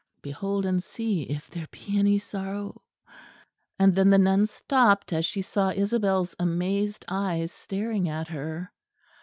Behold and see if there be any sorrow " and then the nun stopped, as she saw Isabel's amazed eyes staring at her.